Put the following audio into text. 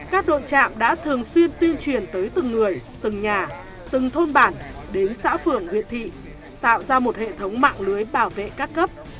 các đội trạm đã thường xuyên tuyên truyền tới từng người từng nhà từng thôn bản đến xã phường huyện thị tạo ra một hệ thống mạng lưới bảo vệ các cấp